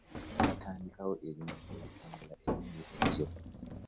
Batandiikawo ebintu ebitumbula ennimi ezo